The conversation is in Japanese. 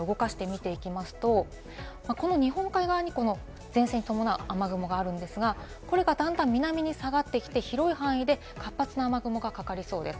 この後、１１時から動かして見ていきますと、この日本海側に、前線に伴う雨雲があるんですが、これがだんだん南に下がって広い範囲で活発な雨雲がかかりそうです。